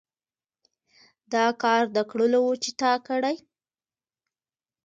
دا کار د کړلو وو چې تا کړى.